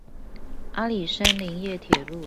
阿里山林業鐵路